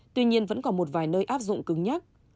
tuy nhiên vẫn còn một vài nơi áp dụng cứng nhắc